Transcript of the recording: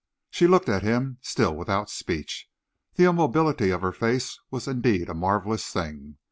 She looked at him, still without speech. The immobility of her face was indeed a marvellous thing.